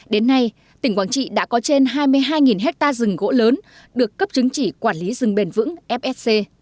đến nay tỉnh quảng trị đã có trên hai mươi hai hectare rừng gỗ lớn được cấp chứng chỉ quản lý rừng bền vững fsc